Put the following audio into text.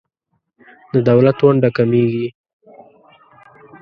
د دولت ونډه کمیږي.